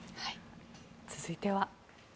続いては。